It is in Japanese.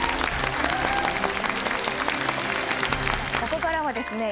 ここからはですね